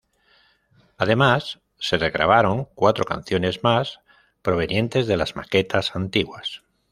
Además se regrabaron cuatro canciones más provenientes de las maquetas antiguas.